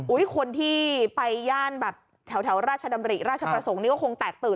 คนที่ไปย่านแบบแถวราชดำริราชประสงค์นี้ก็คงแตกตื่น